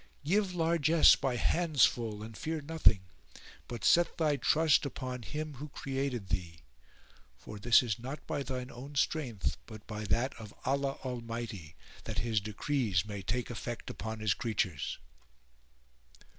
Give largesse by handsful and fear nothing, but set thy trust upon Him who created thee, for this is not by thine own strength but by that of Allah Almighty, that His decrees may take effect upon his creatures."